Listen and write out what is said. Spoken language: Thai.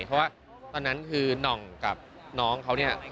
เพราะว่าตอนนั้นคือน่องกับน้องเขาเนี่ย